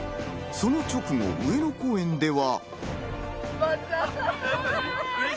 その直後、上野公園では。